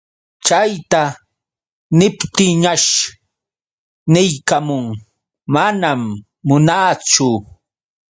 Chayta niptinñash niykamun: manam munaachu.